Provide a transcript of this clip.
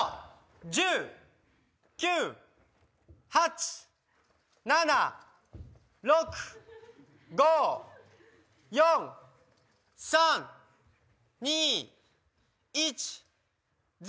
１０９８７６５４３２１０！